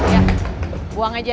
ya buang aja